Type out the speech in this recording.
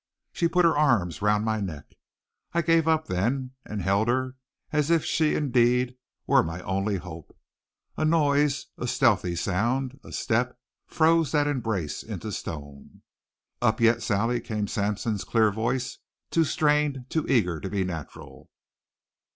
She put her arms round my neck. I gave up then and held her as if she indeed were my only hope. A noise, a stealthy sound, a step, froze that embrace into stone. "Up yet, Sally?" came Sampson's clear voice, too strained, too eager to be natural.